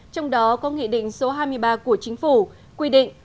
trong đó có nghị định số hai mươi ba của chính phủ quy định